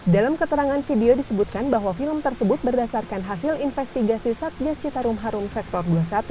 dalam keterangan video disebutkan bahwa film tersebut berdasarkan hasil investigasi satgas citarum harum sektor dua puluh satu